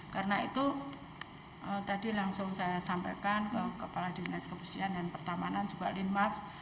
karena itu tadi langsung saya sampaikan ke kepala dinas kepustian dan pertamanan juga limas